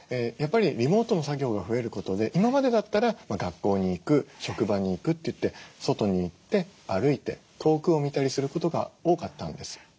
やっぱりリモートの作業が増えることで今までだったら学校に行く職場に行くといって外に行って歩いて遠くを見たりすることが多かったんです。